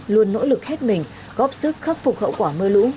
luôn nỗ lực hết mình góp sức khắc phục hậu quả mưa lũ